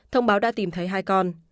thông báo đã tìm thấy hai con